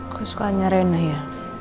aku sukanya rena ya